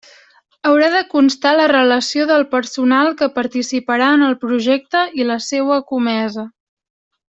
Haurà de constar la relació del personal que participarà en el projecte i la seua comesa.